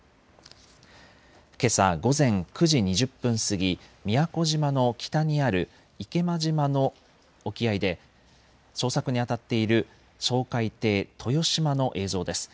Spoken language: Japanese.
けさ午前９時２０分過ぎ宮古島の北にある池間島の沖合で捜索にあたっている掃海艇、とよしまの映像です。